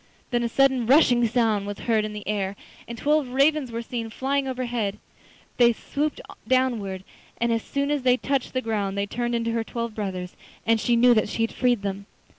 Then a sudden rushing sound was heard in the air, and twelve ravens were seen flying overhead. They swooped downwards, and as soon as they touched the ground they turned into her twelve brothers, and she knew that she had freed them.